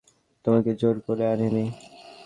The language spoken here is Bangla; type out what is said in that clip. তোমাকে জোর করে আনি নি।